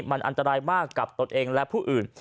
มันอันตรายมากกับตนเองและผู้อื่น